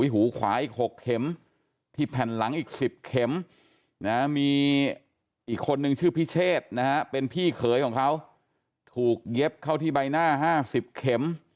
หูขวาอีก๖เข็มที่แผ่นหลังอีก๑๐เข็มมีอีกคนนึงชื่อพิเชษนะฮะเป็นพี่เขยของเขาถูกเย็บเข้าที่ใบหน้า๕๐เข็ม